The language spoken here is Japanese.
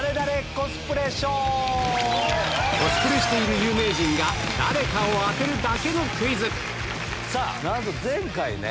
コスプレしている有名人が誰かを当てるだけのクイズなんと前回ね